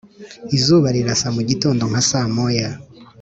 izuba rirasa mu gitondo nka saa moya